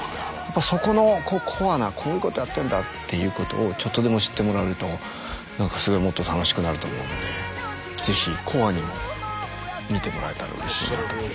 そこのコアなこういうことやってるんだっていうことをちょっとでも知ってもらえると何かすごいもっと楽しくなると思うのでぜひコアにも見てもらえたらうれしいなと思います。